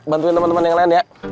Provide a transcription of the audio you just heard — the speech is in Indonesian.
bantuin temen temen yang lain ya